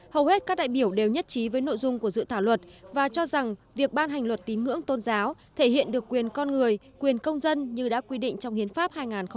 hầu hết các đại biểu đều nhất trí với nội dung của dự thảo luật và cho rằng việc ban hành luật tín ngưỡng tôn giáo thể hiện được quyền con người quyền công dân như đã quy định trong hiến pháp hai nghìn một mươi ba